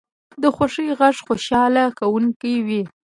د خوښۍ غږ خوشحاله کوونکی وي